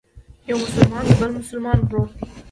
یو مسلمان د بل مسلمان ورور دی.